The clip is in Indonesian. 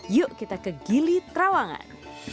yuk kita ke gili terawangan